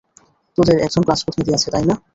তোদের একজন ক্লাস প্রতিনিধি আছে, তাই না?